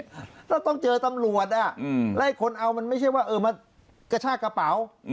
แล้วต้องเจอตำรวจอ่ะแล้วคนเอามันไม่ใช่ว่าเออมากระชากกระเป๋า